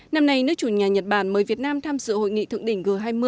năm nay nước chủ nhà nhật bản mời việt nam tham dự hội nghị thượng đỉnh g hai mươi